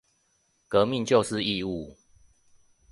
革命就是義務